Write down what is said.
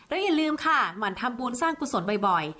อย่าลืมค่ะหมั่นทำบุญสร้างกุศลบ่อย